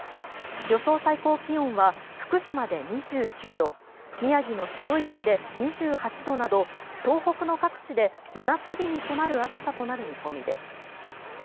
予想最高気温は福島で２９度宮城の白石で２８度など東北の各地で真夏日に迫る暑さとなる見込みです。